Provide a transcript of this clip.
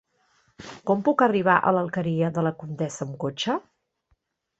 Com puc arribar a l'Alqueria de la Comtessa amb cotxe?